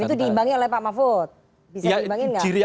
dan itu diimbangi oleh pak mahfud